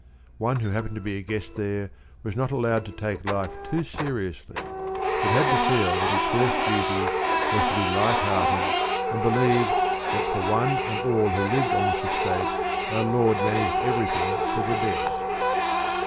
One who happened to be a guest there was not allowed to take life too seriously, but had to feel that his first duty was to be light hearted and believe that for one and all who lived on this estate our Lord managed everything for the best.